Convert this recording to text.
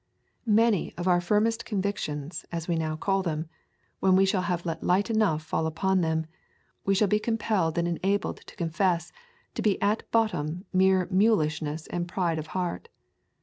Many of our firmest convictions, as we now call them, when we shall have let light enough fall upon them, we shall be compelled and enabled to confess to be at bottom mere mulishness and pride of heart.